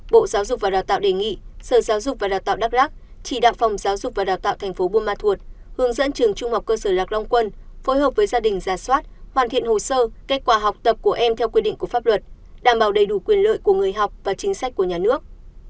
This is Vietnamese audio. bộ giáo dục và đào tạo đề nghị sở giáo dục và đào tạo đắk lắc chỉ đạo phòng giáo dục và đào tạo thành phố buôn ma thuột hướng dẫn trường trung học cơ sở lạc long quân phối hợp với gia đình giả soát hoàn thiện hồ sơ kết quả học tập của em theo quy định của pháp luật đảm bảo đầy đủ quyền lợi của người học và chính sách của nhà nước